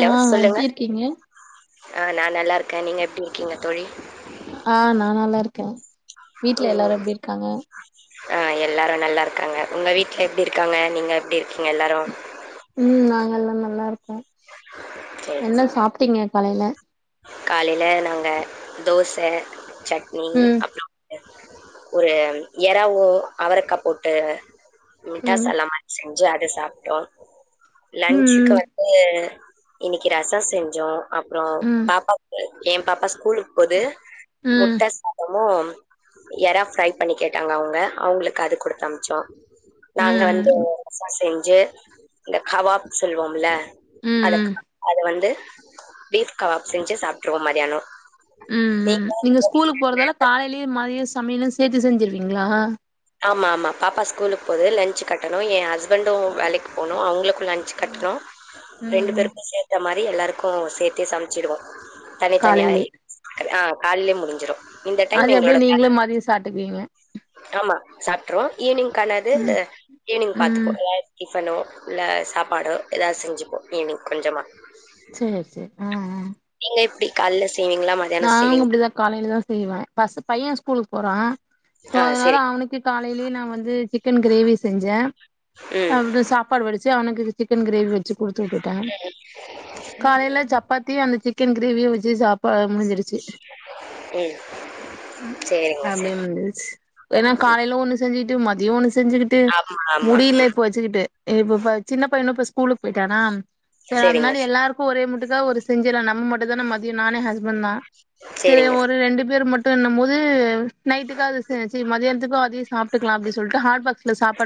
ஆ சொல்லுங்க எப்டி இருக்கீங்க ஆஹ் நான் நல்லா இருக்கேன் நீங்க எப்பிடி இருக்கீங்க தோழி ஆஹ் நான் நல்லா இருக்கேன் வீட்டுல எல்லாரும் எப்புடி இருக்காங்க ஆஹ் எல்லாரும் நல்லா இருக்காங்க உங்க வீட்டுல எப்பிடி இருக்காங்க நீங்க எப்பிடி உம் நாங்க எல்லாம் நல்லா இருக் என்ன சாப்டீங்க காலேல காலேல நாங்க தோசை சட்னி ம் அப்புறம் வந்து ஒரு எறாவும் அவரக்கா போட்டு ம் மிட்டாசல்லா மச்சிங் அத சாப்பிட்டோம் லன்ச்சுக்கு ம் வந்து இன்னைக்கு ரசம் செஞ்சோம் அப்புறோம் ம் பாப்பாக்கு ஏம் பப்பா ஸ் குளிப்பது ம் ம் முட்ட சாதமும் யறாஃப்ரை பண்ணி கேட்டாங்க அவங்க அவங்களுக்கு அது குடுத்தனுச்சம் நாங்க வந்து ம் மச செஞ்சு இந்த கபாப் சொல்வோம்ல ம் அத ம் அது வந்து பீப் கவாப் செஞ்சு சாப்பட்டுருவோம் மதியானம் நீங்க ஸ்கூலுக்கு போறதால காலையிலயே மதிய சா சமையலும் சேர்த்து செஞ்சிருவீங்களா ஆமா ஆமா பாப்பா ஸ்கூலுக்கு போகுது லன்சு கட்டணும் என ஹஸ்பண்டும் வேலக்கு போனும் அவுங்களுக்கும் லன்ச் ம் கட்டணும் ம் ரெண்டு ம் பேருக்கும் சேர்த்த மாரி எல்லாருக்கும் சேத்தே சமைச்சிடுவோம் தனி தனியா காலைலயே ஆ கால்லயே முடிஞ்சிடும் அது எப்டி நீங்களும் மதியம் சாட்டுக்வீங்க சாப்பட்ருவோம் ஈவினிங் [inaudible] னது ஈவினிங் ம் பாத்துப்போம் ஃபனோ இல்ல சாப்பாடோ ஏதாவது செஞ்சுப்போம் ஈவினிங் கொஞ்சமா செரி செரி ஆஹஹ நீங்க எப்டி கால்ல செய்வீங்களா மதியானோ நானும் செய்வீங்களா இப்படிதான் காலையிலதான் செய்வேன் பச பையன் ஸ்கூலு போறான் போ ஆ அதனால செரி அவனுக்கு கா காலைலே நான் வந்து சிக்கன் கிரேவி செஞ்சேன் ம் அப்படி சாப்பாடு வடிச் சு அவனுக்கு சிக்கன் கிரேவி வச்சு குடுத்து விட்டுட்டுடேன் காலைல சப்பாத்தி அந்த சிக் சிக்கன் கிரேவிய வச்சு சாப்பா [unintelligible] ம் சு சேரிங்க அப்படியே சேரி முடிஞ்சிச்சு ஏன்னா காலைல ஒண்ணு செஞ்சுட் டு மதியம் ஒன்னு செஞ்சுக்கிட்டு ஆமா ஆமா முடியல இப்ப வச்சுக்கிட்டு இப்ப சின்ன பையனும் ஸ்கூலக்கு போயிட்டானா சேரிங்க அதனால எல்லாருக்கும் ஒரே முட்டுக்கு ஏதோ ஒரு செஞ்சுறோம் நம்ம மட்டும் தான மதியம் நானே ஹஸ் ஃபர்ஸ்ட் தான் செரி சேரிங்க ஒரு ரெண்டு பேர் மட்டும் பண்ணும் போது நைட்டுக்கு அது செரி மதியானத் அதயே சாப்புடுக்கலாம் அப்புடி சொல்டு ஹாட் பாக்ஸ்ல சாப்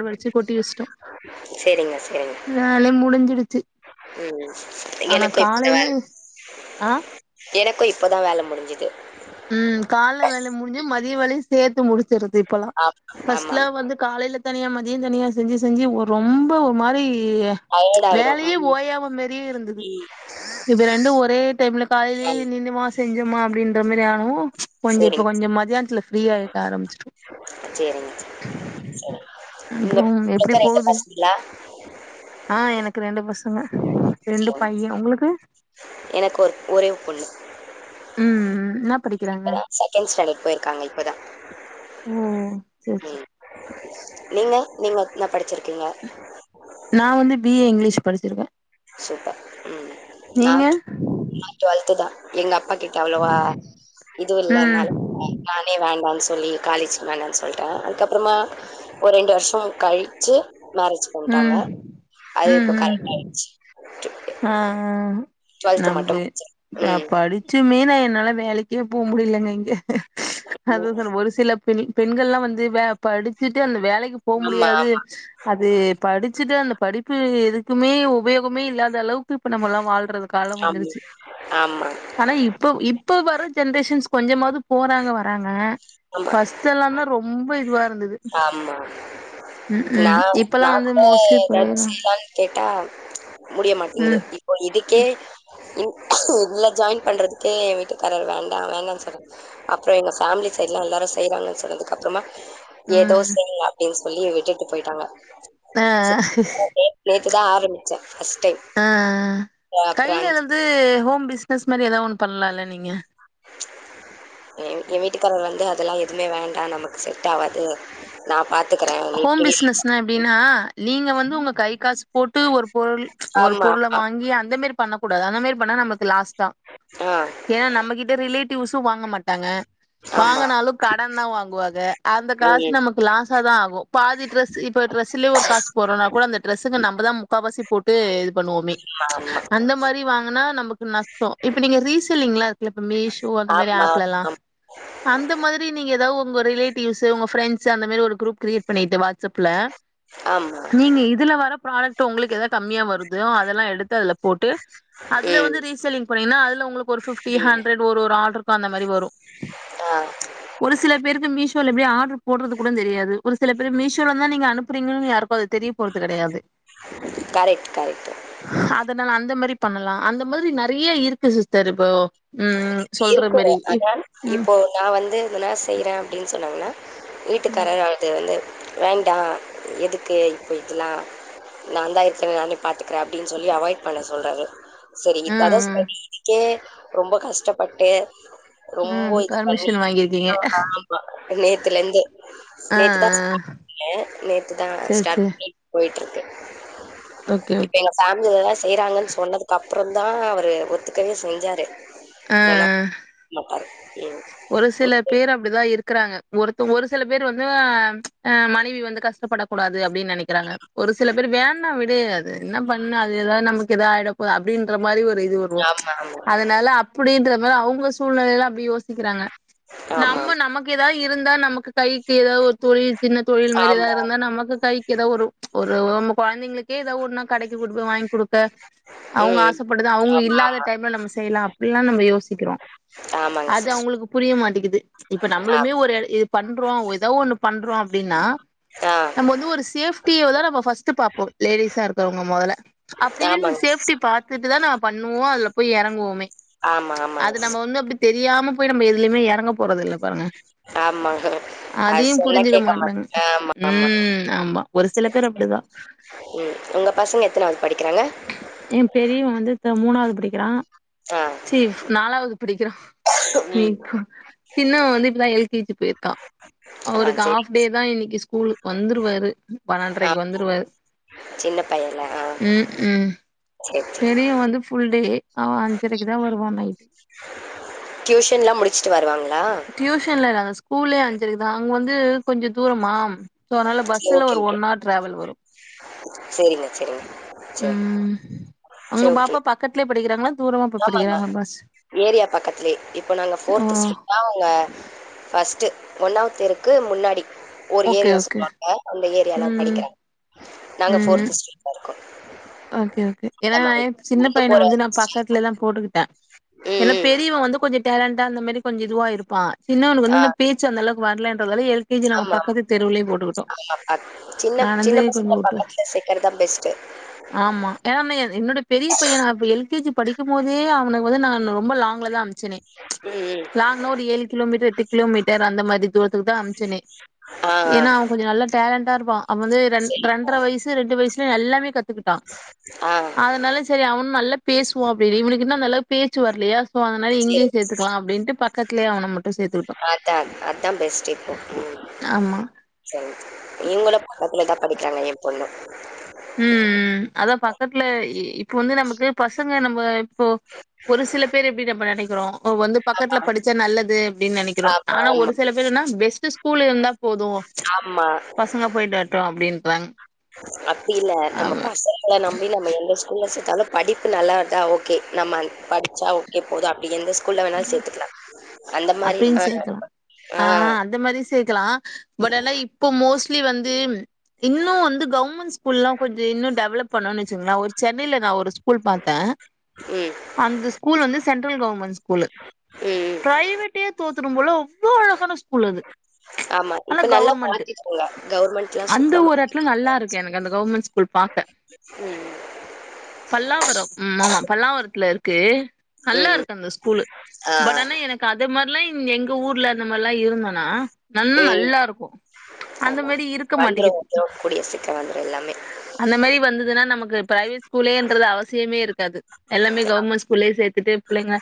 சேரிங்க சேரிங்க வேலையும் முடிஞ்சிடுச்சு ம் ம் ஆனா எனக்கு இப்போ காலையில வேல ஆ எனக்கு இப் இப்ப தான் வேலை முடிஞ்சிது ம் கால்ல வேலை முடிஞ்சு மதிய வேலையும் சேத்து முடி தெரிது இப்பல்லாம் ஆமா ஆமா பர்ஸ்ட்லா வந்து காலையில தனியா மதிய தனியா செஞ்சி செஞ்சி ஒரு ரொம்ப ஒரு மாரி டயர்ட் ஆயிடு வேலையே ம் ஓயாவு மாரியே இருந்தது ம் இப்ப ரெண்டு ஒரே டைம்ல ஆ காலேலயே நின்னு மாச செஞ்சமா அப்டின்ற மாரி ஆ ஓ கொஞ்சோ இப்ப சேரிங்க கொஞ்சோ மதியானதுல ஃப்ரியா ஆய் ஆரம்பிச்டோம் சேரிங்க உங்க அப்புறோம் எப்புடி உங்களுக்கு ரெண்டு போது பசங்களா ஆ எனக்கு ரெண்டு பசங்க ரெண்டு சேரிங்க பையன் உங்களுக்கு எனக்கு ஒரு ஒரே பொண்ணு ம் ம் ன்னாப் செகண்ட் ஸ்டாண்டர்ட் போயிருக்காங்க இப்பதான் உம் செரி செரி நீங்க நீங்க எனா படிச்சிரு நா வந்து பி ஏ இங்கிலஷ் படிச்சிருக்கே சூப்பர் உம் நா நீங்க நா ட்டுவெல்த் தா எங்க அப் அப்பாக்கிட்ட அவ்ளோவா இது ம் இல்லனால நானே வேண்டான்னு சொல்லி காலேஜ் வேணானு சொல்ட்டா அதுக்கப் அப்பறமா ஒரு ரெண்டு வருஷ கழிச்சி மேரேஜ் பண்ட்டாங்க ம் அது இப்ப கரெக்ட்டா ஆஹ் ஆஹ் டுவெல்த் மட்டு நம்பே முடிச்சிருக்கே படிச்சமே நா நல்ல வேலைக் கே போ முடியலங்க இங்க அது ம் சொல்ல ஒரு சில பெண் பெண்கள்லா வந்து வே படிச்சிட்டு அந்த வேலைக்கு போக ஆமா முடியாது அது படிச்சுட்டு அந்த படிப்பு எதுக்குமே உபயோகமே இல்லாத தளவுக்கு இப்ப நம்ம எல்லாம் வாழ்றது காலம் ஆமா வந்துருச்சு ஆமா ஆமா ஆனா இப்ப இப்ப வர ஜென்ரேஷன்ஸ் கொஞ்சமாவது போறாங்க யாங்க ஆமா பஸ்ட் எல்லாம் தான் ரொம்ப இதுவா இரு ஆமா ம் நான் இப்பல்லா நான் வந்து கூட மோஸ்ட்லி எதாச் போயிரு செய்யலாம்னு கேட்டா முடிய மாட் டங்குது ம் இப்ப இதுக்கே இ ஜாயின் பண்றதுக்கே என் வீட்டுக்காரர் வேண்டாம் வேண்டாம்னு சொல்றாரு அப்புறம் எங்க ஃபேமிலி சைட்லாம் எல்லாரும் செய்யறாங்கன்னு சொல்றதுக்கு அப்புறமா ஏதோ ம் செய்களா பேசும் பிள்ளையை விட்டுட்டு போயிட்டாங்க அஹ் ஆஹ் நேத்து தான் ஆரம்பிச்சேன் ஃபர்ஸ்ட் டைம். அஹ் அஹ் அப்புறம் கையில அஞ் எதாது ஹோம் பிசினஸ் மாதிரி ஏதாவது ஒண்ணு பண்ணலாம்ல நீங்க [unintelligible] என் என் வீட்டுக்காரர் வந்து அதெல்லாம் எதுவுமே வேண்டாம் நமக்கு செட் ஆவாது நான் பாத் ஹோம் பிசினஸ்ன எப்படின்னா நீங்க வந்து உங்க கை காசு போட்டு ஒரு பொருள் ஒரு ஆமா, பொருளை ஆமா. வாங்கி அந்த மாரி பண்ணக்கூடாது அந்தமாரி பண்ணா நமக்கு லாஸ் தான் ஆ, ஏன்னா நம்மகிட்ட ரிலேட் பீஸ்சு வாங்க மாட்டாங்க ஆமா. வாங்குனாலும் கடன்தா வாங்குவாங்க அந்த காசு ம். நமக்கு லாசாதா ஆகு. பாதி டிரரெஸ் இப்போ டிரெஸ்லயே ஒரு காசு போறோனா கூட அந்த டிரரெஸுக்கு நம்ம தான் முக்காவாசி போட்டு இது பண்ணுவோமே. ம்ச் ஆமா. அந்த மாரி வாங்குனா நமக். நஷ்டோ இப்ப நீங்க ரீசலிங்லா இருக்கல மிசோ அந்த மாரி ஆமா, ஆப்ல எல்லா. ஆமா. அந்த மாரி நீங்க ஏதாவது ஒ. உங்க ரிலேட்டிவ்ஸ்சு உங்க ஃப்ரெண்ட்ஸ்சு அந்த மாரி ஒரு குரூப். பண்ணிட்டு வாட்ஸ்அப்ல. ஆமா. நீங்க இதுல வர பிராடெக்ட்ட உங்களுக்கு ஏதாது கம்மியா வருது. தோ அதெல்லா எடுத்து அதுல. போட்டு அதுல வந்து ம். ரீசில்லிங் பண்ணிங்கனா அதுல உங்களுக்கு ஒரு பிப்டி ம். ஹண்டர் ஒரு ஒரு ஆடர்க்கு அந்த மாரி வரு. ஆ ம்ச் ஒரு சில பேருக்கு மீஸ். சொல்லுபடியா ஆடர். போடுறது கூட தெரியாது. சில பேரு மீஷோல தான் நீங்க அனுப்புறீங்கன்னு யாருக்கு. ப்போ அது தெரிய போறது கிடையாது. Correct, correct. அதனால அந்த மாரி. பண்ணலா அந்த மாரி நறைய இருக்கு சிஸ்டர் இப்போ. ம் சொல்ற இருக்கு மாரி அதான் ம் இப்போ நா வந்து இதுன்னா செய்யற அப்படின்னு சொன்னாங்கனா. ம் வீட்டுக்கார். [unintelligible] வேண்டா எதுக்கு இப்போ இதெல்லா. நாதா இருக்கன்ல நானே பாத்துக்குற அப்படின்னு சொல்லி அவாய்ட் பண்ண சொல்றாரு. சேரி அதா ம் சரி இதுக்கே. ரொம்ப கஷ்டப்பட்டு ம் ரொம்ப ம் இது பண்ணி பர்மிஷன் வாங்கிருக்கீங்க நேத்துல இருந்து ஆ நேத்துதா ஆ நேத்துதா சேரி ஸ்டார் சேரி பண்ணி போயிட்டு ஓகே இப்ப ஓகே எங்க ஃபேமிலிலா செய்யறாங்கன் சொன்னதுக்கு அப் அப்புறந்தா அவர் ஒத்துக்கவே செஞ்சாரு ஆ நானா ஆ மக்கள் ஒரு சில பேர் அப்டிதா இருக் க்குறாங்க ஒருத்த ஒரு சில பேர் வந்து மனைவி வந்து கஷ்டப்படக்கூடாது அப்டின் நெனக்கிறாங்க ஒரு சில பேர் வேணா விடு அது என்ன பண்ண அது எதாது நமக்கு எதாது ஆயிடா போத அப்டின்றமாரி இது வருவோ ஆமா ஆமா அதனால அப்டின்ற இது வேற அவுங்க சூழ்நிலைலா அப்டி யோசி க்கிறாங்க ஆமா நம்ம நமக்கு ஏதா இருந்தா நமக்கு கைக்கு ஏதோ ஒரு தொழில் சின்ன தொழில் மாரி ஏதா ஆமா இருந்தா நமக்கு கைக்கு ஏதோ ஒரு ஒரு நம்ம கொழந்தைங்களுக்கே ஏதாவது ஒன்னா கடைக்கு கூட்டிப்போய் வாங்கி குடுக்க அவுங்க ம் ஆசைப்படுது அவுங்க ஆமா இல்லாத ஆமா டைம்ல நம்ம செய்யலா அப்டியே எல்லா நம்ப யோசிக்கிறோ ஆமாங்க அது சிஸ் அவுங்களுக்கு புரிய மாட்டிகிது இப்ப ஆ நம்மளுமே ஒரு இது பண்றோ எதோ ஒண்ணு பண்றோ அப்டின்னா ஆ நம்ம வந்து ஒரு சேஃப்டிய தா நம்ம ஃபஸ்ட் பாப்போ லேடிஸா இருக்கிறவங்க முதல அப்டின் ஆமாங்க சிஸ் சேஃப்டி பாத்துட்டுதா நா பண்ணுவோ போய் எறங்குவோமே ஆமா அது ஆமாங்க நம்ம வந்து அப்டி தெரியாம போய் நம்ம எதுலையுமே இறங்க போறதில்லை பாருங்க ஆமாங்க அத அதையு சொன்னா புரிஞ்சுக்க கேக்க மாட்டாங்க மாட்ட ஆமா ஆமா ம் ஆமா ஒரு சில சரி பேர் சரி அப்டிதா உம் உங்க பசங்க எத்தனாவது படிக்கிறாங்க என் பெரியவன் வந்து இப்ப தான் மூணாது படிக்கிறான் ஆ செஃப் நாலாவது படிக்கிறான் நீ ம் இப்ப சின்னவ வந்து இப்பதான் எல் கே ஜி போயிருக்கா ஆ அவுருக்கு சரி ஹாப் டே தான் இன்னிக்கு ஸ் ஸ்கூல் வந்துருவாரு ஆ பன்னன்றரைக்கு வந்துருவாரு சின்ன பையல்லா உம் பெரியவன் வந்து ஃபுல்டே அவன் அஞ்சரைக்கு தான் வருவான் நைட்டு டியூஷன் எல்லாம் முடிச்சுட்டு வருவாங்க டியூஷன் இல்ல ஸ்கூல் கூலே அஞ்சரைக்குதான் அங்க வந்து கொஞ்சம் தூரமா சோ அதனால பஸ்ல ஓகே ஒரு ஓகே ஒன் ஆர் டிராவல் வரும் சரிங்க சரிங்க சரி உம் உங்க சரி ஓகே பாப்பா பக்கத்லே படிக்கிறாங்களா தூரமா போய் ஆமாமா படிக்கிறாங்களா பஸ் ஏரியா பக்கத்துலே இப்ப நாங்க ஓ ஃபோர்த் ஸ்ட்ரீட் ஆஹ் ங்க ஃபஸ்ட் ஒன்னாவதுதெருக்கு முன்னாடி ஒரு ஓகே ஏரியா ஓகே சொன்னாங்க அந்த ஏரி யாள ம் படிக்றேன் நாங்க ஃபோர்த் ஸ்ட்ரீட்ல இருக்கோம் ஓகேஓ கே அந்த ஏன்னா மாரி. சின்ன நடந்து பையன போற வந்து நான் பக்கத்துலதான் போட்டுக்கிட்டேன் ம், என்னா ம். பெரியவன் வந்து கொ கொஞ்ச டேலண்டா அந்த மேரி கொஞ்ச இதுவா இருப்பான் சின்னவனுக்கு வந்து ஆ, இன்னும் பேச்சு அந்த அளவுக்கு வரலன்றதால எல்கேஜி நம்ம ஆமா, பக்கத்து தெருவுலயே போட்டுகுட்டோம் ஆமா. பா சின்ன நான் வந்து சின்ன கொஞ்சம் பசங்கள வுட்டு பக்கத்துல சேக்கறது தான் பெஸ்ட்டு. ஆமா ஏன்னா என்னோட பெரிய பையன் எல்கேஜி படிக்கும் போதே அவனுக்கு வந்து நான் ரொம்ப லாங்ல தான் அனுப் ச்சேனே ம், ம். லாங்னா ஏழு கிலோமீட்டர் எட்டுகிலோமீட்டர் அந்த மாரி தூரத்துக்குதான் அனுப்சேனே ஆ, ஆ. ஏன்னா அவ கொஞ்சம் நல்ல டேலண்ட் தர்வான் அவளே ரெண் சரி. ரெண்டு அரை வயசு ரெண்டு வயசுல எல்லாமே கத் கத்துக்கிட்டான் ஆ, அதனால சரி அவன் நல்லா பேசுவாப்புடி இவனுக்கு இன்னும் நல்லா பேச்சு வரலையா சோ அதனால இங்கயே சரி. சேத்துக்களாம் அப்டின்டு பக்கத்துலயே அவனமட் அதான் அதான் பெஸ்ட் இப்போ ம்ம் ஆமா சரி இங்களும் பக்கத்துலதான் படிக்கிறாங்க என் பொண்ணும் [inaudible] உம் உம் அதா பக்கத்துல இப்ப வந்து நமக்கு பசங்க நம்ம இப்போ ஒரு சில பேர் எப்டி நம்ம நினைக் அப்றோ இப்போ வந்து ஆமா, பக்கத்துல படிச்சா நல்லது அப்டின்னு நெனைக்கிறோம் ஆமா, ஆனா ஆமா, ஒரு சில பேர் என்னா பெஸ்ட்டு ஸ்கூல் இருந்தா போதும் ஆமா. பசங்க போயிட்டு வரட்டும் அப்டின்னு [unintelligible] இல்ல நம்ம பசங்கள நம்பி நம்ம எந்த ஸ்கூல்ல நல்ல படிப்பு நல்லா இருந்தா ஓகே நம்ம படிச்சா ஓகே போதும் அப்டி எந்த ஸ்கூல் உள்ள வேனாலும் சேர்த்துக்கலாம் அப்படின்னு சேர்க்கலா ஆஹ் அந்த மாரி சேர்க்கலா பட் ஆன இப்போ மூ மோஸ்லி வந்தி இன்னும் வந்து கவ்மெண்ட் ஸ்கூல்லாம் கொஞ்சம் இன்னும் டெவலப் பண்ணும்ன்னனு வச்சங்களேன் ஒரு சென்னனைில நான் ஒரு ஸ்கூல் பாத்தேன் ம், ம். அந்த ஸ்கூல் வந்து சென்ட்ரல் கவர்மெண்ட் ஸ்கூல் ம். பிரைவேட் தோத்துரும் போலோ அவ்ளோ அழகான ஸ்கூல் அது ஆமா. ஆனா இப்ப நல்லா கவர்மெண்ட் மாத்திட்டாங்க. கவர்மெண்ட்லாம் அந்த சூப்பரா மா ஒரு இடத்துல நல்லா இருக்கு எனக்கு அந்த கவர்மெண்ட் ஸ்கூல் பாக்க ம், ம். பல்லாவரம் உம் ஆமா பல்லாவரத்துல இருக் கே நல்லா ம். இருக்கு அந்த ஸ்கூலு ஆ. பட் ஆனா எனக்கு இந்த மாரிலாம் எங்க ஊர்ல அந்த மாரி எல்லாம் இருந்தோனா நன்னா ம். நல்லா இருக்கும் அந்த ஆமா. மாரி இருக்க வந்துரும் மாட்டேக்குது வந்துரும். கூடிய சீக்கிரம் வந்துரும் எல்லாமே. அந்த மாரி வந்ததுன்னா நமக்கு பிரைவேட் ஸ்கூலேன்றது அவசியமே இருக் து எல்லாமே கவர்மெண்ட் ஸ்கூல்லயே சேர்த்துட்டு புள்ளைங்க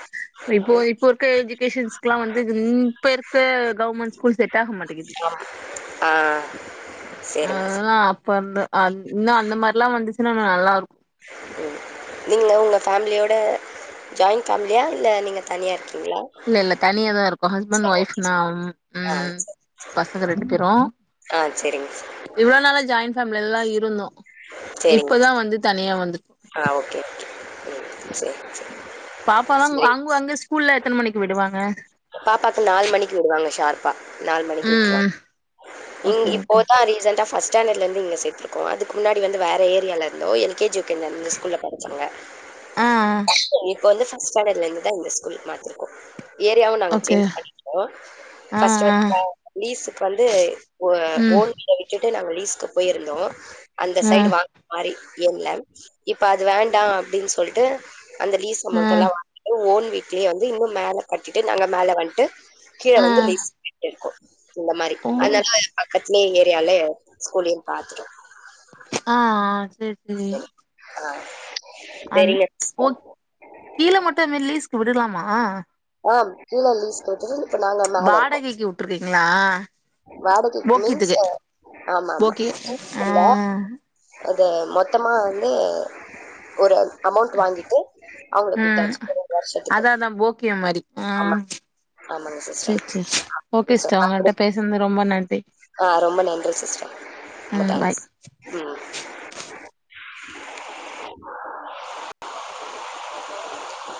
இப்போ இப்ப இருக்க ஏஜ் கிட்ஸ் எல்லாம் வந்து இப்பருக்கு கவர்மெண்ட் ஸ்கூல் செட் ஆக மாட்டேங்கிது ஆமா. ஆ சரிங்க. ஆஹ் இப்ப அந்து இன்னும் அந்த மாரிலாம் வந்துச்சுன்னா நல்லா இருக்கும் நீங்க உங்க பேமிலியோட ஜாயிண்ட் பேஃமிலியா இல்ல நீங்க தனியா இருக்கீங்களா? இல்ல இல்ல தனிய தான் இருக்கும் ஹஸ்பண்ட் சரி. ஒயப்னா ஆ ம் சரி. பசங்க ரெண்டு பேரும் ஆ சரிங்க. இவ்வுளோ நாளா ஜாயின் நம்மலெல்லாம் இருந்தோம் செரிங்க வந்துட்டோ ஆஹ ஓகே ஓகே சேரி சேரி பாப்பா தான் வாங்கு வாங்கு ஸ்கூல்ல எத்தன மணி விடுவாங்க பாப்பாக்கு நாலு மணிக்கு விடுவாங்க ஷார்பா நாலு மணிக்கு ம் விட்டுறங் ம் ங் ஓகே ஓகே இப்போதான் ரீசன்டா ஃபர்ஸ்ட் ஸாண்டர்ட்லந்துங்க சேர்த்தருக்கோம் அதுக்கு முன்னாடி வந்து வேற ஏரியாவில இருந்தோம் எல் கே ஜி இந்த ஸ்கூல படிச்சாங்க ஆ ஆ இப்ப வந்து ஃபர்ஸ்ட் ஸ்டாண்டர்ட்ல இருந்துதான் இந்த ஸ்கூல் மாத்திருக்கோம் ஏரியாவும் நாங்க ஓகே சேஞ்ச் பண்ணிட்டோம் ஆ ஃபர்ஸ்ட் ஆ வந்த லீஸுக்கு வந்து ஓஹோ ம் ஓன் வீட்ட விட்டுட்டு நாங்க லிஸ்கு போயிருந்தோம் அந்த ஆ சைடு வாங்க மாரி என்ல இப்ப அது வேண்டாம் அப்டின்னு சொல்லிட்டு அந்த லீஸ் ஆ அமௌன்ட்டெல்லா வாங்கிட்டு ஓன் வீட்லயே வந்து இன்னும் மேல கட்டிட்டு நாங்க மேல வண்ட்டு கீழே ஆ வந்து லீசுக்கு விட்டுருக்கோ இந்த மாரி ஓ அனால ட்லே ஏரியால ஸ்கூலயும் பாத்துோட்டோ ஆ ஆ சேரி ம் ஆ அந் சரிங்க ஓ சிஸ்டர் கீழ மட்டு என்ன லீசு டு விடலாமா ஆ கீழ லீஸ்கு விட்டுட்டு வாடகைக்கு வுட்டுருக்கீங்ளா வாடகைக்கு மீன்ஸ் ஆமாமா போக்கி ஆ அது மொத்தமா வந்து ஒரு அமௌண்ட் வாங்கிட்டு அவுங்களுக்கு ம் விட்டாச்சு ஒரு ரெண்டு வருஷத்துக்கு அதா அதா போக்கியம் மாரி ஆ ஆமாங்க ஆமாங்க சிஸ்டர் சேர் சேர் ஓகே சிஸ்டர் உங்கள்ட்ட [unintelligible] பேசுனது ரொம்ப நன் ஆஹ் ரொம்ப நன்றி சிஸ்டர் ரொம்ப ம் பாய் தேங்க்ஸ் [unintelligible]